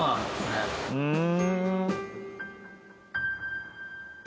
ふん。